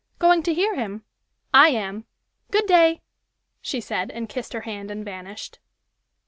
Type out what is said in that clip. Going to hear him? I am! Good day!" she said, and kissed her hand and vanished.